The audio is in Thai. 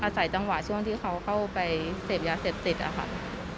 อาศัยจังหวะช่วงที่เขาเข้าไปเสพยาเสพจิต